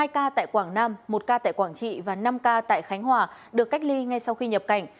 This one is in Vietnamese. hai ca tại quảng nam một ca tại quảng trị và năm ca tại khánh hòa được cách ly ngay sau khi nhập cảnh